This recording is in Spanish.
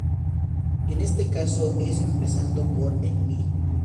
En este caso es empezando por el Mi.